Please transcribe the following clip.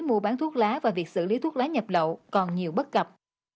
mua bán thuốc lá và việc xử lý thuốc lá nhập lậu còn nhiều bất cập